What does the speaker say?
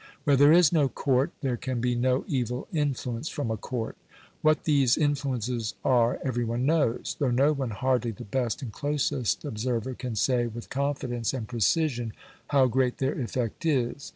Where there is no Court there can be no evil influence from a Court. What these influences are every one knows; though no one, hardly the best and closest observer, can say with confidence and precision how great their effect is.